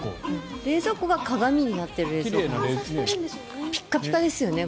冷蔵庫が鏡になっている冷蔵庫なんですね。